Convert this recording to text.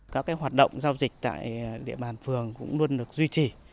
các hoạt động giao dịch tại địa bàn phường cũng luôn được duy trì